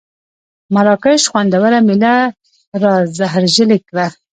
مراکش خوندوره مېله را زهرژلې کړه.